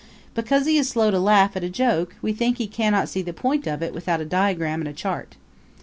Because he is slow to laugh at a joke, we think he cannot see the point of it without a diagram and a chart.